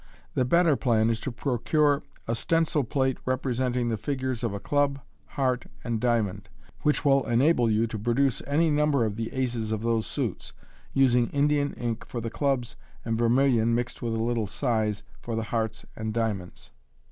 The better plan is to procure a stencil plate representing the figures of a club, heart, and diamond, which wiU enable you to pro» 98 MODERN MA G/C. doce any number of the aces of those suits, using Indian ink for the clubs, and vermilion, mixed with a little size, for the hearts and diamonds.